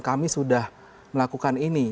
kami sudah melakukan ini